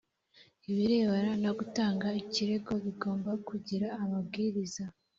ibirebana no gutanga ikirego bigomba kugira amabwiriza.